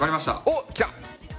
おっきた！